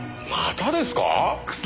またですか？